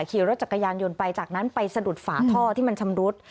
ขี่รถจักรยานยนต์ไปจากนั้นไปสะดุดฝาท่อที่มันชำรุด